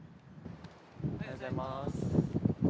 おはようございます。